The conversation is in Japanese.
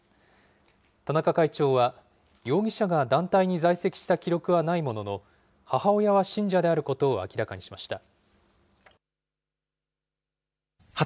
田中会長は、容疑者が団体に在籍した記録はないものの、母親は信者であることを明らかにしました。